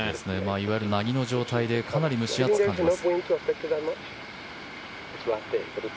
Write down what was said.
いわゆる凪の状態でかなり蒸し暑く感じます。